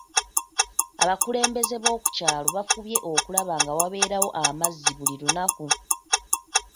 Abakulembeze b'oku kyalo bafubye okulaba nga wabeerawo amazzi buli lunaku.